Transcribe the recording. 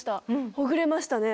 ほぐれましたね。